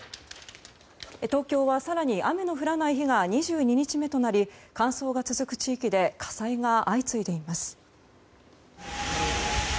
東京は更に雨の降らない日が２２日目となり乾燥が続く地域で火災が相次いでいます。